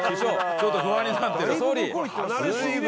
「ちょっと不安になってる」